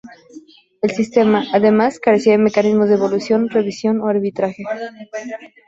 El sistema, además, carecía de mecanismos de evolución, revisión o arbitraje.